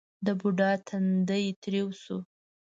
د بوډا تندی ترېو شو: